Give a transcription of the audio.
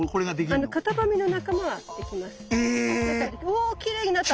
おっきれいになった！